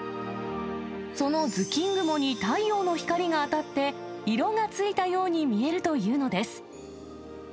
その頭巾雲に太陽の光が当たって、色がついたように見えるというのです。